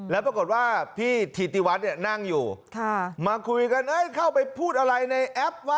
แล้วปรากฏว่าพี่ถิติวัฒน์เนี่ยนั่งอยู่มาคุยกันเข้าไปพูดอะไรในแอปวะ